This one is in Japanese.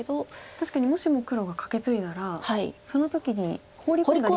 確かにもしも黒がカケツイだらその時にホウリ込んだ理屈。